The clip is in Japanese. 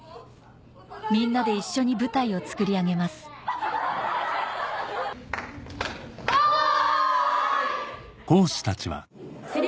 みんなで一緒に舞台を作り上げますおい！